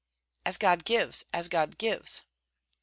"As God gives, as God gives!"